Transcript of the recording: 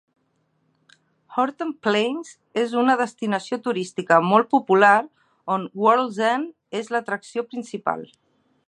Horton Plains és una destinació turística molt popular, on World's End és l'atracció principal.